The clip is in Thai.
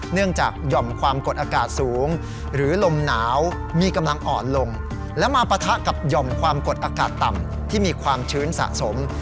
เนื่องจากหย่อมความกดอากาศสูงหรือลมหนาวมีกำลังอ่อนลงและมาปะทะกับหย่อมความกดอากาศต่ำที่มีความชื้นสะสม